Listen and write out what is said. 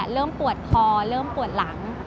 เริ่มปวดคอเริ่มปวดหลัง